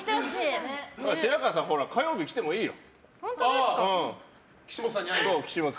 白河さん、火曜日来てもいいよ。